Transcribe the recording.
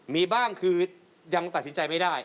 มีบ้างคือยังตัดสินใจไม่ได้